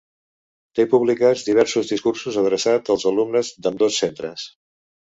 Té publicats diversos discursos adreçats als alumnes d’ambdós centres.